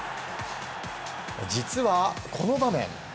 実はこの場面。